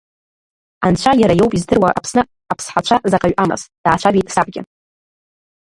Анцәа иара иоуп издыруа Аԥсны аԥсҳацәа заҟаҩ амаз, даацәажәеит сабгьы.